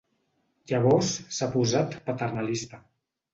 Llavors s'ha posat paternalista.